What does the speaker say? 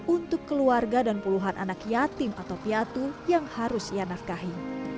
untuk keluarga dan puluhan anak yatim atau piatu yang harus ia nafkahi